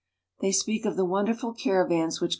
They speak of the wonderful caravans which.